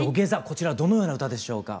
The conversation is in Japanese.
こちらどのような歌でしょうか。